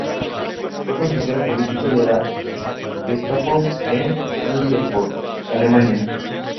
El coleccionismo de libros puede ser un hobby sencillo y económico.